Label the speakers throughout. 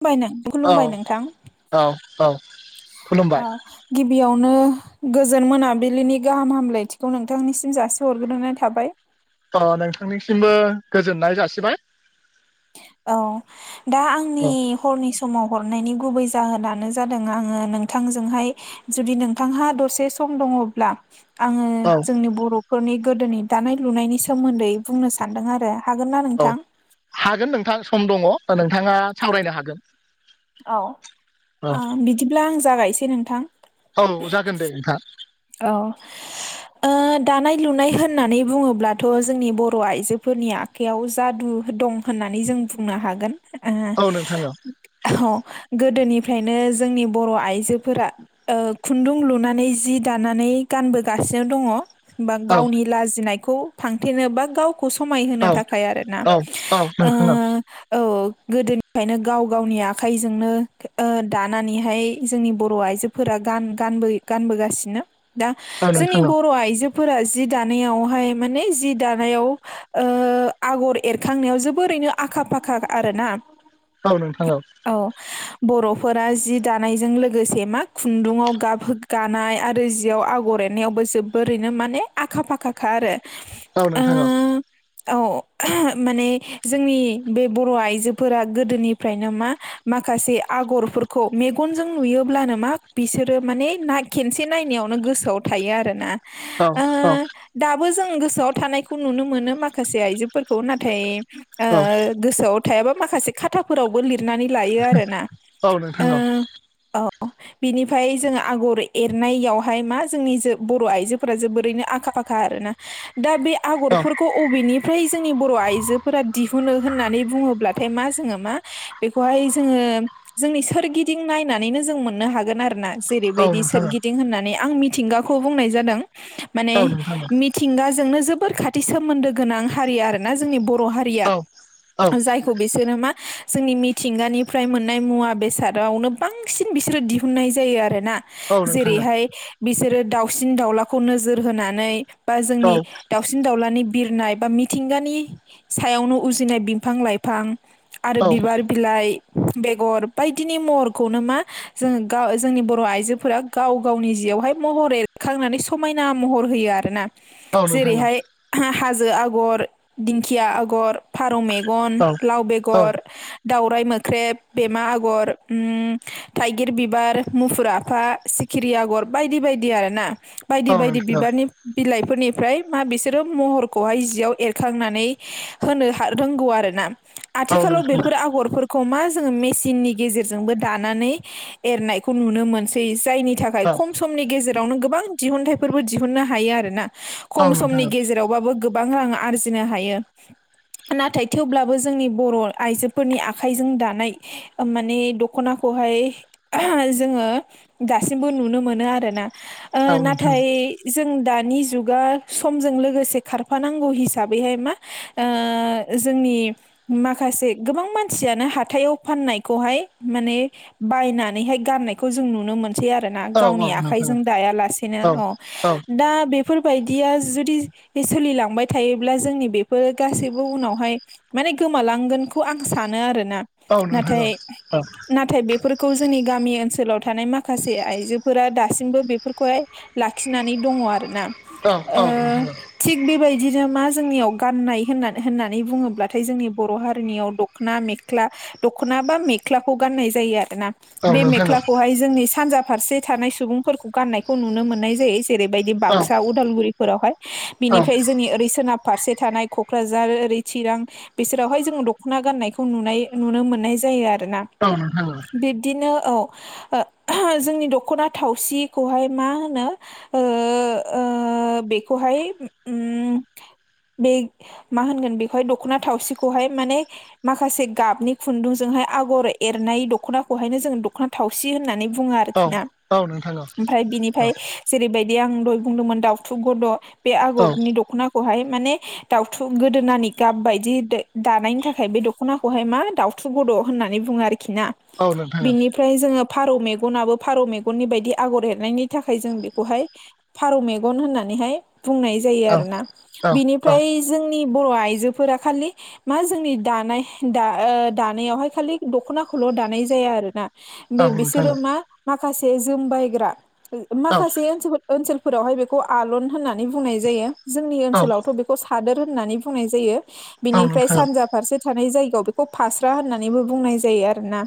Speaker 1: खुमबाय नों
Speaker 2: औ
Speaker 1: खुलुमबाय नोंथां
Speaker 2: औ औ खुलुमबाय
Speaker 1: औ गिबियावनो गोजोन मोनाबिलिनि गाहाम हामलायथिखौ नोंथांनिसिम जासे हरग्रोनाय थाबाय
Speaker 2: अ नोंथांनिसिमबो गोजोननाय जासिबाय
Speaker 1: औ दा
Speaker 2: औ
Speaker 1: आंनि हरनि समाव हरनायनि गुबै जाहोनानो जादों आङो नोंथांजोंहाय जुदि नोंथांहा दसे सम दङब्ला आङो
Speaker 2: औ
Speaker 1: जोंनि बर'फोरनि गोदोनि दानाय लुनायनि सोमोन्दै बुंनो सान्दों आरो। हागोन ना
Speaker 2: औ
Speaker 1: नोंथां
Speaker 2: हागोन नोंथां सम दङ नोंथाङा सावरायनो हागोन।
Speaker 1: औ
Speaker 2: औ
Speaker 1: ओ बिदिब्ला आं जागायसै नोंथां
Speaker 2: औ जागोन दे नोंथां
Speaker 1: औ ओ दानाय लुनाय होननानै बुङोब्लाथ' जोंनि बर' आइजोफोरनिया याव जादु दं होननानै जों बुंनो हागोन।
Speaker 2: औ नोंथां औ
Speaker 1: औ गोदोनिफ्रायनो जोंनि बर' आइजोफोरा ओ‌खुन्दुं लुनानै जि दानानै गानबोगासिनो दङ बा
Speaker 2: औ
Speaker 1: गावनि लाजिनायखौ फांथेनो बा गाव खौ समायहो
Speaker 2: औ
Speaker 1: थाखाय आरोना
Speaker 2: औ औ नोंथां औ
Speaker 1: औ गोदोनिफ्रायनो गाव गावनि आखाइजोंनो दानानैहाय जोंनि बर' आइजो फोर गान‌ गान गानबोगासिनो दा
Speaker 2: औ
Speaker 1: जोंनि
Speaker 2: नोंथां औ
Speaker 1: बर' आइजो फोर जि दानायावहाय माने जि दानायाव ओ आगर एरखांनायाव जोबोरैनो आखा फाखा आरोना
Speaker 2: औ नोंथाङाव औ
Speaker 1: औ बर'फोरा जि दानायजों लोगोसे मा खुन्दुङाव गाब गानाय आरो जियाव आगर एरनायावबो जोबोरैनो माने आखा फाखाखा आरो।
Speaker 2: औ
Speaker 1: ओ
Speaker 2: नोंथां औ
Speaker 1: [unintelligible] औ माने जोंनि बे बर' आइजोफोरा गोदोनिफ्रायनो मा माखासे आगरफोरखौ मेगनजों नुयोब्लानो मा बिसोरो माने ना खसे एसे नायनायावनो गोसोआव थायो आरो ना
Speaker 2: औ औ
Speaker 1: दाबो जों गोसोआव थानायखौ नुनो मोनो माखासे आइजोफोरखौ नाथाय गोसोआव थायाबा माखासे खाथाफोरावबो लिरनानै लायो आरोना
Speaker 2: औ नोंथां
Speaker 1: ओ
Speaker 2: औ
Speaker 1: अ बिनिफ्राय जोङो आगर एरनायावहाय मा जोंनि बर' आइजोफोरा जोबोरैनो आखा फाखा आरोना दा बे आगरफोर खौ बबेनिफ्राय जोंनि बर' आइजोफोरा दिहुनो होननानै बुङोब्लाथाय मा जोङो मा बेखौहाय जोङो जोंनि सोरगिदिं नायनानैनो जों मोननो हागोन आरो ना जेरै बि सोरगिदिं होननानै आं मिथिंगाखौ बुंनाय जादों माने
Speaker 2: औ नोंथां औ नोंथां औ
Speaker 1: मिथिंगाजोंनो जोबोर खाथि सोमोन्दो गोनां हारि आरोना जोंनि बर' बर' हारिया
Speaker 2: औ
Speaker 1: जायखौ बिसोरो मा जोंनि मिथिंगानिफ्राय मोननाय मुवा बेसादावनो बांसिन बिसोरो दिहुननाय जायो आरोना
Speaker 2: औ नोंथां
Speaker 1: जेरैहाय बिसोरो दाउसिन दाउलाखौ नोजोर होनानै बा जोंनि दाउसिन दाउलानि बिरनाय बा मिथिंगानि सायावनो उजिनाय बिफां लाइफां आरो बिबार बिलाइ बेगर बायदिनि महरखौनो मा जोङो जोंनि बर' आइजो फोरा गाव गावनि जियावहाय महर एरखांनानै समायना महर होयो आरो ना
Speaker 2: औ नोंथां औ नोंथां औ
Speaker 1: जेरैहाय हाजो आगर दिंखिया आगर फारौ मेगन लाव बेगर दावराय मोख्रेब, बेमा आगर, थाइगिर बिबार, मुफुर आफा सिखिरि आग'र बायदि बायदि आरो ना बायदि बायदि बिबारनि बिलाइफोरनिफ्राय मा बिसोरो महरखौहाय जियाव एरखांनानै होनो रोंगौ आरो ना आथिखालाव बेफोर आगरफोर खौ मा जोङो मेसिननि गेजेरजोंबो दानानै एरनायखौ नुनो मोनसै जायनि थाखाय खम समनि गेजेवनो गोबां दिहुनथायफोरबो दिहुननो हायो आरोना खम
Speaker 2: औ
Speaker 1: समनि
Speaker 2: नोंथां
Speaker 1: गेजेराव बाबो गोबां रां आरजिनो हायो नाथाय थेवब्लाबो जोंनि बर' आइजोफोरनि आखाइजों दानाय माने दख'नाखौहाय जोङो दासिमबो नुनो मोनो आरोना ओ
Speaker 2: औ नोंथां
Speaker 1: नाथाय जों दानि जुगा समजों लोगोसे खारफानांगौ हिसाबैहाय मा दा जोंनि माखासे गोबां मानसियानो हाथायाव फाननायखौहाय माने बायनानैहाय गाननायखौ जों नु नो मोनसै आरोना
Speaker 2: औ
Speaker 1: गावनि
Speaker 2: नोंथां
Speaker 1: आखाइजों दाया
Speaker 2: औ
Speaker 1: लासेनो
Speaker 2: औ
Speaker 1: दा बेफोरबायदिया जुदि सोलिलांबाय थायोब्ला जोंनि बेफोर गासैबो उनावहाय माने गोमालांगोनखौ आं सानो आरोना
Speaker 2: औ नोंथां औ
Speaker 1: नाथाय
Speaker 2: औ
Speaker 1: नाथाय बेफो खौ जोंनि गामि ओनसोलाव थानाय मा खासे आइजोफोरा दासिमबो बेफोरखौहाय लाखिनानै दङ आरोना
Speaker 2: औ
Speaker 1: ओ
Speaker 2: औ नोंथां
Speaker 1: थिग बेबायदिनो मा जोंनियाव गाननाय होनना होननानै बुङोब्लाथाय जोंनि बर' हारिनियाव द' दख'ना मेख्ला दख'ना बा मेख्लाखौ गाननाय जायो आरो ना
Speaker 2: औ
Speaker 1: बे
Speaker 2: नोंथां
Speaker 1: मेख्लाखौहाय जोंनि सानजा फारसे थानाय सुबुंफोरखौ गाननायखौ नुनो मोननाय जायो जेरैबायदि
Speaker 2: औ
Speaker 1: बाक्सा, उ उदालगुरिफोरावहाय
Speaker 2: औ
Speaker 1: बिनिफ्राय जोंनि ओरै सोनाब फारसे थानाय क'क्राझार ओरै चिरां बिसोरावहाय जोङो दख'ना गाननायखौ नुनाय नुनो मोननाय जायो आरो ना
Speaker 2: [unintelligible]
Speaker 1: बिब्दिनो औ जोंनि दख'ना थावसिखौहाय मा होनो ओ-ओ बेखौहाय उम बे मा होनगोन बेखौहाय दख'ना थावसिखौहाय माने माखासे गाबनि खुन्दुंजोंहाय आगर एरनाय दख'नाखौहायनो जों दख'ना थावसि होननानै बुङो
Speaker 2: औ नोंथां औ
Speaker 1: आरोखि ना
Speaker 2: औ नोंथां औ
Speaker 1: ओमफ्राय बिनिफाय जेरैबायदि आं दय बुंदोंमोन दाउथु गद' बे
Speaker 2: औ
Speaker 1: आगरनि दख'नाखौहाय माने दाउथु गोदोनानि गाब बायदि दानायनि थाखाय बे दख'नाखौहाय मा दाउ थु गद' होननानै बुङो आरोखि ना
Speaker 2: औ नोंथां
Speaker 1: बिनिफ्राय जोङो फारौ मेगनाबो फारौ मेगननि बायदि आगर एरनायनि थाखाय जों बेखौहाय फारौ मेगन होननानैहाय बुंनाय जायो
Speaker 2: औ
Speaker 1: आरोना
Speaker 2: औ
Speaker 1: बिनि फ्राय जोंनि बर' आइजोफोरा खालि मा जोंनि दानाय दा ओ दानायावहाय खालि दख'नाखौल' दानाय जाया आरोना। बे
Speaker 2: औ नोंथां औ
Speaker 1: बिसोरो मा माखासे जोमबायग्रा
Speaker 2: औ
Speaker 1: माखासे ओनसोलफोर ओनसोलफोरावहाय बेखौ आलन होननानै बुंनाय जायो जोंनि
Speaker 2: औ
Speaker 1: ओनसोलावथ' बेखौ खौ सादोर होननानै बुंनाय जायो
Speaker 2: औ नोंथां औ नोंथां औ नोंथां औ
Speaker 1: बिनिफ्राय
Speaker 2: नोंथां
Speaker 1: सानजा फारसे थानाय जायगायाव बेखौ फास्रा होननानैबो बुंनाय जायो आरोना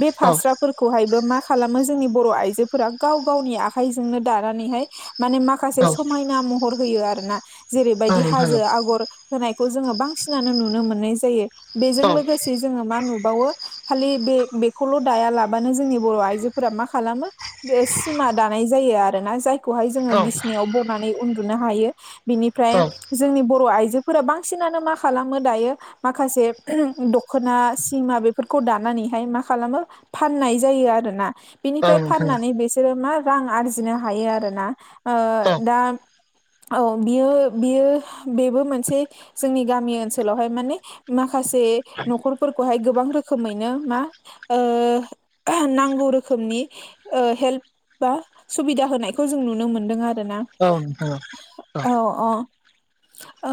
Speaker 1: बे फास्रा फोरखौहायबो मा खालामो जोंनि बर' आइजोफोरा गाव गावनि आखाइजोंनो दानानैहाय माने माखासे समायना महर होयो आरोना जेरैबायदि हाजो आगर होनायखौ जोङो बांसिनानो नुनो मोननाय जायो बेजों लोगोसे जोंहा मा नुबावयो खालि बे बेखौल ला बानो जोंनि बर आइजो मा खालामो सिमा दानाय जायो आरोना जाय खौहाय जोङो बिसिनाययाव बरनानै उन्दुनो हायो बिनिफ्राय जोंनि बर' आइजोफोरा बांसिनानो मा खालामो दायो माखासे दख'ना सिमा बेफोरखौ दानानैहाय मा खालामो फाननाय जायो आरोना बिनिफ्राय फाननानै बिसोरो मा रां आरजिनो हायो आरोना। ओ दा औ बियो बियो बेबो मोनसे जोंनि गामि ओनसोलावहाय माने माखासे न'खरफोरखौहाय गोबां रोखोमैनो मा ओ नांगौ रोखोमनि ओ हेल्प बा सुबिदा होनायखौ जों नुनो मोनदों आरो ना।
Speaker 2: औ औ
Speaker 1: औ अ ओ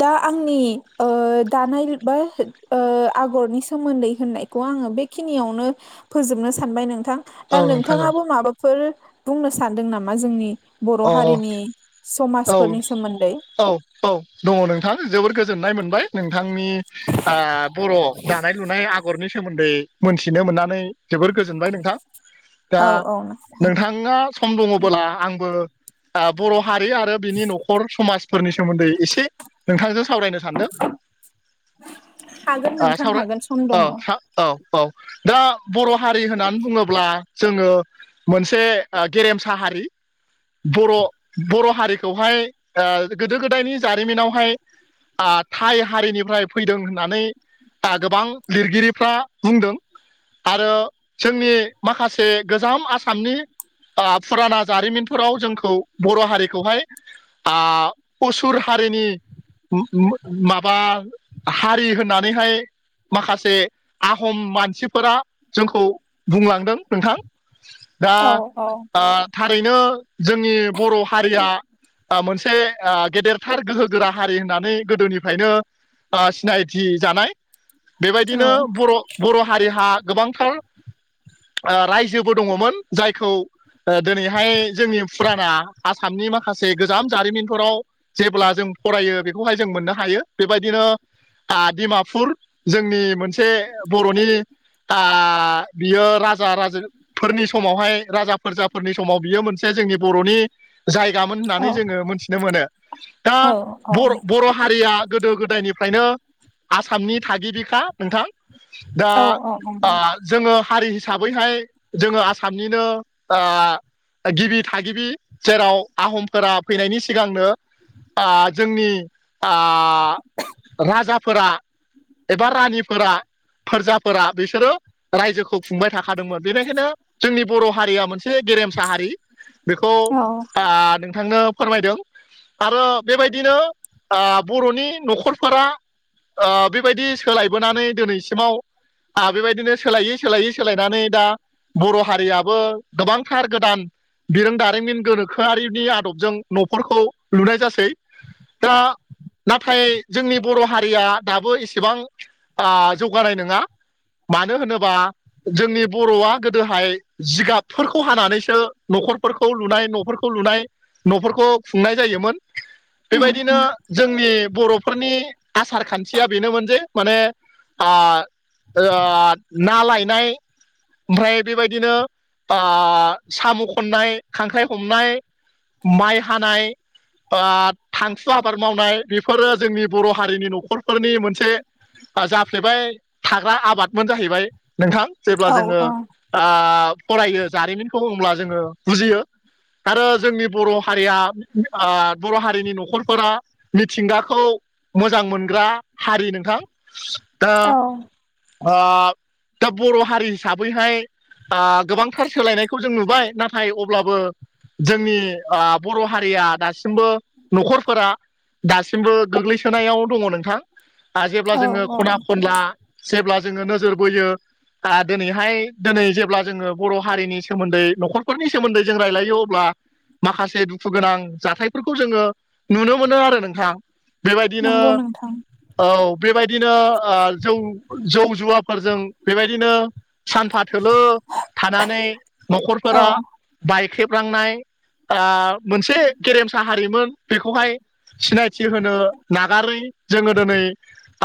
Speaker 1: दा आंनि ओ दानाय बा ओ आगरनि सोमोन्दै होननायखौ आङो बे खिनियावनो फोजोबनो सानबाय नोंथां दा नोंथाङाबो माबा फोर बुंनो सानदों नामा जोंनि बर'
Speaker 2: औ
Speaker 1: हारिनि
Speaker 2: अ औ
Speaker 1: समाजफोरनि सोमोन्दै।
Speaker 2: औ औ दङ नोंथां जोबोर गोजोननाय मोनबाय। नोंथांनि आ बर' दानाय लुनाय आ गरनि सोमोन्दै मोनथिनो मोननानै जोबोर गोजोनबाय नोंथां। दा
Speaker 1: औ औ नोंथां
Speaker 2: नोंथाङा सम दङबोला आंबो आ बर' हारि आरो बिनि न'खर समाजफोरनि सोमोन्दै एसे नोंथांजों सावरायनो सानदों।
Speaker 1: हागोन
Speaker 2: आ
Speaker 1: नोंथां
Speaker 2: सावराय
Speaker 1: हागोन सम दङ
Speaker 2: औ औ औ दा बर' हारि होननानै बुङोब्ला जोङो मोनसे आ गेरेमसा हारि। बर' बर' हारिखौहाय गोदो गोदायनि ओ जारिमिनावहाय आ ताइ हारिनिफ्राय फैदों होननानै आ गोबां लिरगिरिफ्रा बुंदों। आरो जोंनि माखासे गोजाम आसामनि ओ फुराना जारिमिन फोराव जोंखौ बर' हारिखौहाय आ असुर हारिनि माबा हारि होननानैहाय माखासे आहम मानसिफोरा जोंखौ बुंलांदों नोंथां। दा
Speaker 1: औ
Speaker 2: ओ थारैनो जोंनि बर' हारिया आ मोनसे आ गेदेरथार गोहो गोरा हारि होननानै गोदोनिफ्रायनो ओ सिनायथि जानाय
Speaker 1: औ
Speaker 2: बेबायदिनो बर' बर' हारिहा गोबांथार ओ रायजोबो दङमोन जायखौ ओ दिनैहाय जोंनि फुराना आसामनि माखासे गोजाम जारिमिनफोराव जेब्ला जों फरायो बेखौहाय जों मोननो हायो बेबायदिनो आ दिमापुर जोंनि मोनसे बर'नि आ बियो राजा राजों फोरनि समावहाय राजा फोरजाफोरनि समाव बियो मोनसे जोंनि बर'नि जायगामोन
Speaker 1: औ
Speaker 2: होननानै जोङो मोनथिनो मोनो दा
Speaker 1: औ
Speaker 2: बर' हारिया गोदो गोदायनिफ्रायनो आसामनि थागिबिखा नोंथां दा
Speaker 1: औ
Speaker 2: ओ
Speaker 1: औ
Speaker 2: जोङो हारि हिसाबैहाय जोङो आसामनिनो ओ गिबि थागिबि जेराव आहमफोरा फैनायनि सिगांनो ओ जोंनि आ राजाफोरा एबा रानिफोरा फोरजाफोरा बिसोरो रायजोखौ खुंबाय थाखादोंमोन बेनिखायनो जोंनि बर' हारिया मोनसे गेरेमसा हारि बेखौ
Speaker 1: औ
Speaker 2: आ नोंथांनो फोरमायदों आरो बेबायदिनो बर'नि न'खरफोरा बेबायदि सोलायबोनानै दिनैसिमाव आ बेबायदिनो सोलायै सोलायै सोलायनानै दा बर' हारियाबो गोबांथार गोदान बिरोंदारिमिन गोनोखोआरिनि बे आदबजों न'फोरखौ लुनाय जासै दा नाथाय जोंनि बर' हारिया दाबो एसेबां आ जौगानाय नङा मानो होनोबा जोंनि बर'आ गोदोहाय जिगाबफोरखौ हानानैसो न'खरफोरखौ लुनाय न'फोरखौ लुनाय न'फोरखौ खुंनाय जायोमोन
Speaker 1: उम
Speaker 2: बेबायदिनो
Speaker 1: उम
Speaker 2: जोंनि बर'फोरनि आसार खान्थिया बेनोमोन जे माने आ ओ ना लायनाय ओमफ्राय बेबायदिनो ओ साम' खननाय खांख्राइ हमनाय माइ हानाय थांसु आबाद मावनाय बेफोरो जोंनि बर' हारिनि न'खरफोरनि मोनसे जाफ्लेबाय थाग्रा आबादमोन जाहैबाय नोंथां जेब्ला
Speaker 1: औ
Speaker 2: जोङो
Speaker 1: औ
Speaker 2: फरायो जारिमिनखौ बुंब्ला जोङो बुजियो आरो जोंनि बर' हारिया बर' हारिनि न'खरफोरा मिथिंगाखौ मोजां मोनग्रा हारि नोंथां दा
Speaker 1: औ
Speaker 2: आ दा बर' हारि हिसाबैहाय गोबांथार सोलायनायखौ जों नुबाय नाथाय अब्लाबो जोंनि बर' हारिया दासिमबो न'खरफोरा दासिमबो गोग्लैसोनायाव दङ नोंथां जेब्ला
Speaker 1: औ
Speaker 2: जोङो
Speaker 1: औ
Speaker 2: खना खनला जेब्ला जोङो नोजोर बोयो आ दिनैहाय दिनै जेब्ला जोङो बर' हारिनि सोमोन्दै न'खर फोरनि सोमोन्दै जों रायलायो अब्ला माखासे दुखु गोनां जाथायफोरखौ जोङो नुनो मोनो आरो नोंथां बेबायदिनो
Speaker 1: नंगौ नोंथां
Speaker 2: औ बेबायदिनो जौ जौ जुवाफोरजों बेबायदिनो सानफा थोलो थानानै
Speaker 1: औ
Speaker 2: न'खरफोरा बायख्रेबलांनाय आ मोनसे गेरेमसा हारिमोन बेखौहाय सिनायथि होनो नागारै जोङो दिनै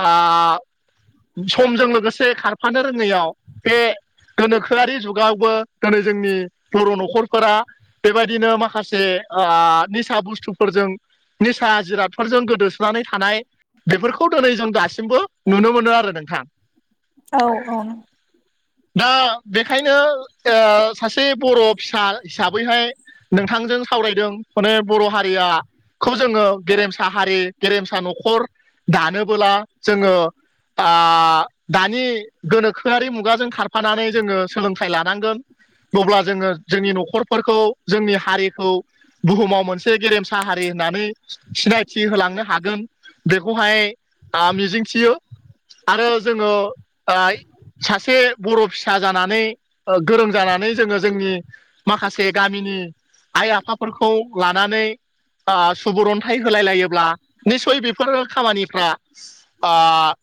Speaker 2: आ समजों लोगोसे खारफानो रोङैयाव बे गोनोखोआरि जुगावबो दिनै जोंनि बर' न'खरफोरा बेबायदिनो माखासे निसा बुस्थुफोरजों निसा जिरादफोरजों गोदोसोनानै थानाय बेफोरखौ दिनै जों दासिमबो नुनो मोनो आरो नोंथां
Speaker 1: औ औ
Speaker 2: दा बेखायनो सासे बर' फिसा हिसाबैहाय नोंथांजों सावरायदों माने बर' हारिया खौ जोङो गेरेमसा हारि गेरेमसा न'खर दानोबोला जोङो आ दानि गोनोखोआरि मुगाजों खारफानानै जोङो सोलोंथाइ लानांगोन अब्ला जोङो जोंनि न'खरफोरखौ जोंनि हारिखौ बुहुमाव मोनसे गेरेमसा हारि होननानै सिनायथि होलांनो हागोन बेखौहाय आ मिजिंथियो आरो जोङो आ सासे बर' फिसा जानानै गोरों जानानै जोङो जोंनि माखासे गामिनि आइ आफाफोरखौ लानानै आ सुबुरन्थाइ होलाय लायोब्ला निस्सय बेफोर खामानिफ्रा आ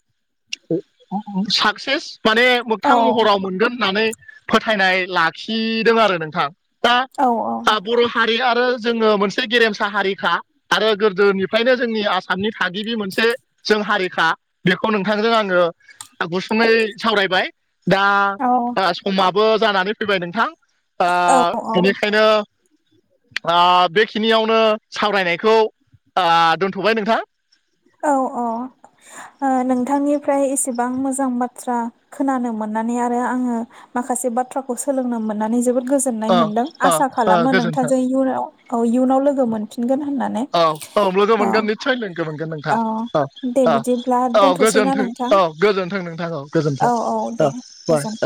Speaker 2: साक्सेस माने
Speaker 1: औ
Speaker 2: मोगथां महराव मोनगोन होननानै फोथायनाय लाखिदों आरो नोंथां दा
Speaker 1: औ औ
Speaker 2: आ बर' हारि आरो जोङो मोनसे गेरेमसा हारिखा आरो गोदोनिफ्रायनो जोंनि आसाम आसामनि थागिबि मोनसे जों हारिखा बेखौ नोंथांजों आङो गुसुङै सावरायबाय दा
Speaker 1: औ
Speaker 2: समाबो जानानै फैबाय नोंथां
Speaker 1: औ औ
Speaker 2: बेनिखायनो आ बेखिनियावनो सावरायनायखौ आ दोनथ'बाय नोंथां
Speaker 1: औ औ नोंथांनिफ्राय इसेबां मोजां बाथ्रा खोनानो मोननानै आरो आङो माखासे बाथ्राखौ सोलोंनो मोननानै जोबोद गोजोननाय मोनदों आसा खालामो नोंथां
Speaker 2: गोजोन्थों
Speaker 1: जों इयुनाव इयुनाव लोगो मोनफिनगोन होननानै
Speaker 2: औ औ लोगो मोनगोन निस्सय लोगो मोनगोन अ
Speaker 1: औ दे
Speaker 2: अ अ
Speaker 1: बिदिब्ला
Speaker 2: नोंथां औ
Speaker 1: दोनथ'सैना
Speaker 2: गोजोनथों
Speaker 1: नोंथां
Speaker 2: औ गोजोनथों नोंथां औ
Speaker 1: औ दे
Speaker 2: गोजोनथों
Speaker 1: गोजोन
Speaker 2: [unintelligible]